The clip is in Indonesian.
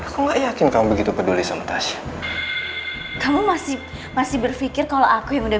aku nggak yakin kamu begitu peduli sama tasha kamu masih masih berpikir kalau aku yang udah